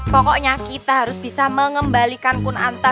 pokoknya kita harus bisa mengembalikan kunanta